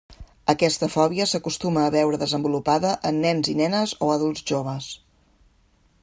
Aquesta fòbia s'acostuma a veure desenvolupada en nens i nenes o adults joves.